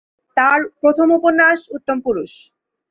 তাঁর প্রথম উপন্যাস "উত্তম পুরুষ"।